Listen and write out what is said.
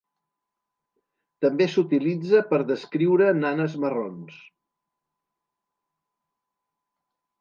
També s'utilitza per descriure nanes marrons.